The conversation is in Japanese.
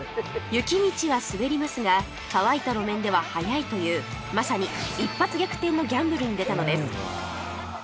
雪道は滑りますが乾いた路面では速いというまさに一発逆転のギャンブルに出たのです